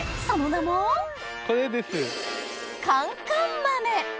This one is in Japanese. その名もこれです。